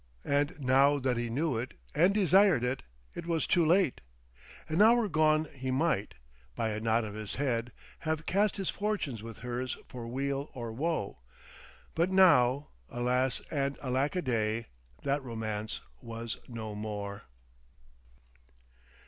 And now that he knew it and desired it, it was too late; an hour gone he might, by a nod of his head, have cast his fortunes with hers for weal or woe. But now ... Alas and alackaday, that Romance was no more!